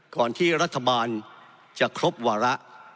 ก่อนที่รัฐบาลจะครบวาระ